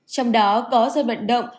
trong đó có dân vận động